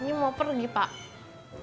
ini mau pergi pak